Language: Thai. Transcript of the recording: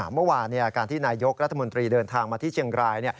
เมื่อวานการที่นายยกรัฐมนตรีเดินทางมาที่เชียงราย